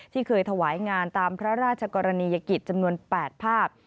ที่เคยถวายงานตามพระราชกรณียกิจจำนวน๘ภาพ